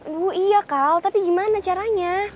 lu iya kal tapi gimana caranya